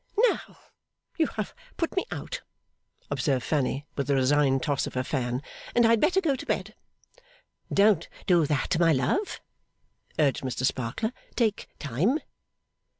'Now you have put me out,' observed Fanny with a resigned toss of her fan, 'and I had better go to bed.' 'Don't do that, my love,' urged Mr Sparkler. 'Take time.